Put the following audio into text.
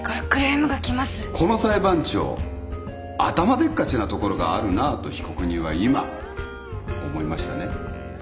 「この裁判長頭でっかちなところがあるな」と被告人は今思いましたね？